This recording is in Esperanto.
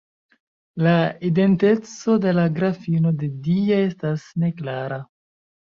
La identeco de la Grafino de Dia estas neklara.